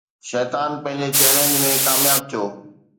شيطان پنهنجي چئلينج ۾ ڪامياب ٿيو